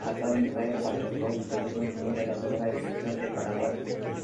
Actualmente juega en el Club Rubio Ñu de la Segunda División de Paraguay.